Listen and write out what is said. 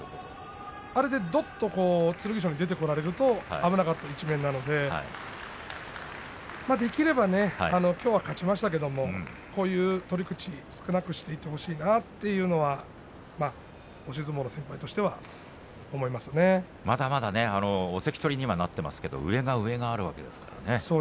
あれでどっと剣翔に出てこられると危なかった一面なのでできればきょうは勝ちましたけれども、こういう取り口少なくしていってほしいなというのは押し相撲の先輩としてはまだまだ関取にはなっていますが上があるわけですからね。